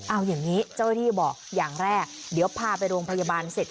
เอาอย่างนี้เจ้าหน้าที่บอกอย่างแรกเดี๋ยวพาไปโรงพยาบาลเสร็จ